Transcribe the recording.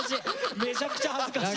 めちゃくちゃ恥ずかしい。